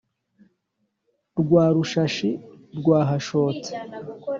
Rwa rushashi rwahashotse,